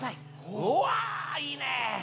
おわいいね！